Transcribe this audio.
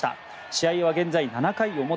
試合は現在７回表。